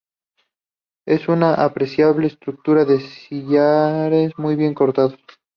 Es una apreciable estructura de sillares muy bien cortados.